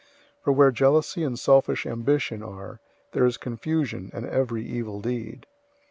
003:016 For where jealousy and selfish ambition are, there is confusion and every evil deed.